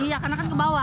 iya karena kan ke bawah